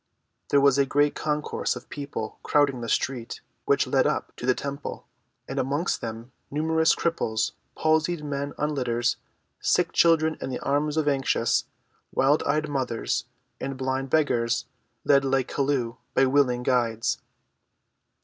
There was a great concourse of people crowding the street which led up to the temple, and amongst them numerous cripples, palsied men on litters, sick children in the arms of anxious, wild‐eyed mothers, and blind beggars, led like Chelluh by willing guides.